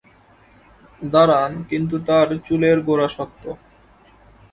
দাঁড়ান, কিন্তু তার চুলের গোড়া শক্ত।